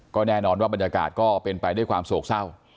ก็แน่นอนว่าบรรยากาศก็เป็นไปด้วยความโศกเศร้า